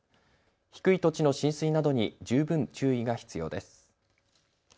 低い土地の浸水などに十分注意が必要です。